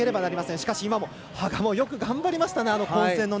しかし、今も羽賀もよく頑張りましたね。